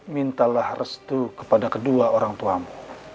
mintalah restu kepada kedua orang tuamu